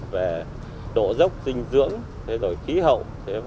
về độ dốc dinh dưỡng khí hậu